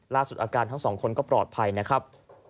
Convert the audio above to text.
อาการทั้งสองคนก็ปลอดภัยนะครับ